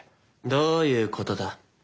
どういうことだ？